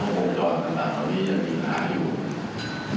ทั้ง๖จอดต่างตอนนี้ยังมีปัญหาอยู่